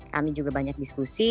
kami juga banyak diskusi